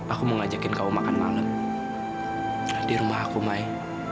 aku mau ngajakin kamu makan banget di rumah aku mai